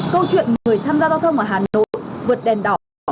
câu chuyện người tham gia giao thông ở hà nội vượt đèn đỏ